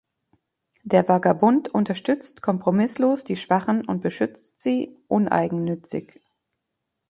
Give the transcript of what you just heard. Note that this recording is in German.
Der Vagabund unterstützt kompromisslos die Schwachen und beschützt sie uneigennützig.